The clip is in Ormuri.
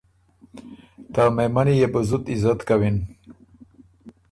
ته مهمني يې بُو زُت عزت کوِن